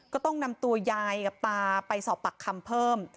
ก็ต้องนำตัวยายกับตาไปสอบปากคำเพิ่ม